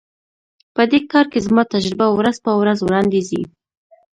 په دې کار کې زما تجربه ورځ په ورځ وړاندي ځي.